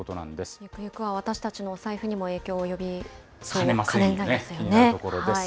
ゆくゆくは私たちのお財布にも影響を及びかねないですよね。